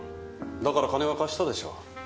だから金は貸したでしょ。